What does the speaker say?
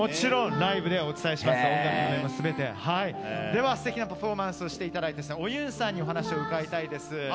では、素敵なパフォーマンスをしていただいたオユンさんにお話を伺いたいです。